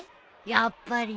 やっぱりね。